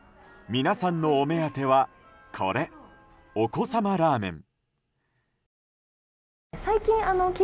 皆さんのお目当ては、これお子様ラーメン。